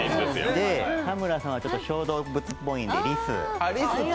田村さんは小動物っぽいのでリス。